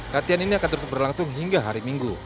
latihan ini akan terus berlangsung hingga hari minggu